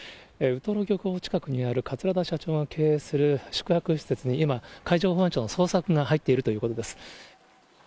ウトロ漁港近くにある、桂田社長の経営する宿泊施設に今、海上保安庁の捜索が入っているということです。